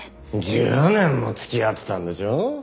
１０年も付き合ってたんでしょ？